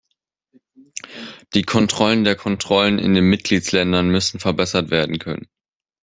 Die Kontrollen der Kontrollen in den Mitgliedsländern müssen verbessert werden können.